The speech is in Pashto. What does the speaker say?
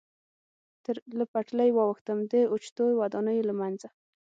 له پټلۍ واوښتم، د اوچتو ودانیو له منځه.